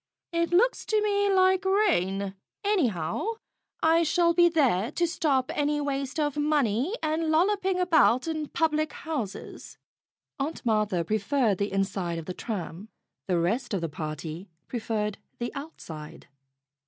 It looks to me like rain. 144 AUNT MARTHA 145 Anyhow, I shall be there to stop any waste of money and lolloping about in public houses." Aunt Martha preferred the inside of the tram. The rest of the party preferred the outside.